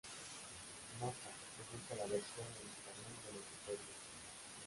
Nota: Se busca la versión en español del episodio